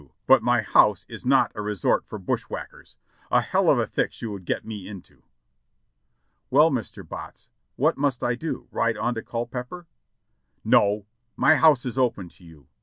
but my house is not a resort for bushwhackers; a hell of a fix you would get me into." "Well, Mr. Botts, what must I do — ride on to Culpeper?" "No, my house is open to you.